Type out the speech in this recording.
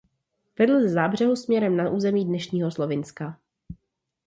Vedl ze Záhřebu směrem na území dnešního Slovinska.